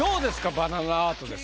バナナアートですが。